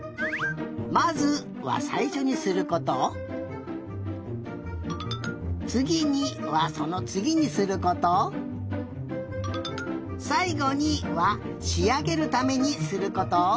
「まず」はさいしょにすることを「つぎに」はそのつぎにすること「さいごに」はしあげるためにすること。